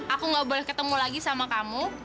aku gak boleh ketemu lagi sama kamu